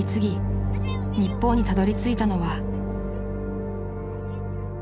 日本にたどりついたのは］